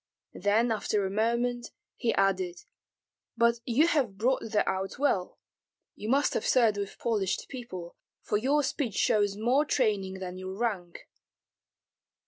Then after a moment he added: "But you have brought that out well. You must have served with polished people, for your speech shows more training than your rank."